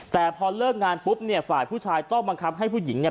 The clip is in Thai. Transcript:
แต่พอเลิกงานปุ๊บเนี่ยฝ่ายผู้ชายต้องบังคับให้ผู้หญิงเนี่ย